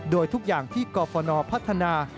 โดยทุกอย่างที่กรฟนพัฒนา